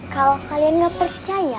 kalau kalian gak percaya